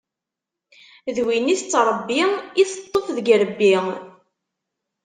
D win tettṛebbi i teṭṭef deg irebbi.